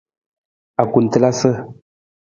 Akutelasa.